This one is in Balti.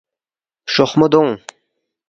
”شوخمو دونگ